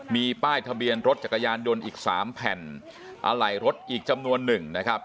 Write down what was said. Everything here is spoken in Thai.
มีป้ายทะเบียนรถจักรยานยนต์อีก๓แผ่นอะไหล่รถอีกจำนวนหนึ่งนะครับ